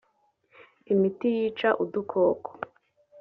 imiti yica udukoko